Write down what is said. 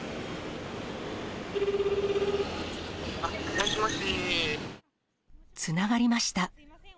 もしもし？つながりました。